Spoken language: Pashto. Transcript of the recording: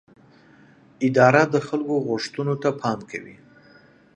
اداره د خلکو غوښتنو ته پام کوي.